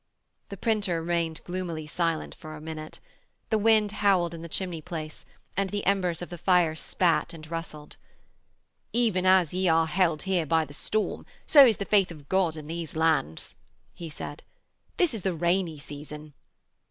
The printer remained gloomily silent for a minute; the wind howled in the chimney place, and the embers of the fire spat and rustled. 'Even as ye are held here by the storm, so is the faith of God in these lands,' he said. 'This is the rainy season.'